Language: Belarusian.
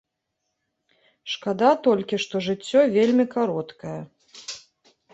Шкада толькі, што жыццё вельмі кароткае.